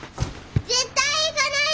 絶対行かない！